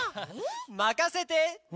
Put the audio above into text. まかせて！